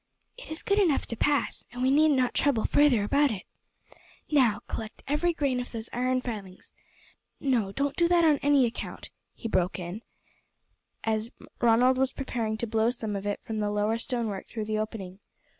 "It is good enough to pass, and we need not trouble further about it. Now collect every grain of those iron filings. No, don't do that on any account," he broke in, as Ronald was preparing to blow some of it from the lower stonework through the opening.